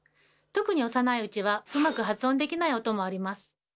特に幼いうちはうまく発音できない音もあります。